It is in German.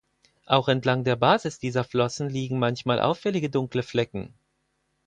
Auch entlang der Basis dieser Flossen liegen manchmal auffällige dunkle Flecken.